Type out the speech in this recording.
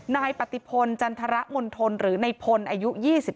นายปฏิพลจันทรมณฑลหรือในพลอายุ๒๓